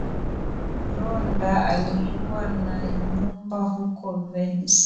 Rhonda alikuwa na nyumba huko Venice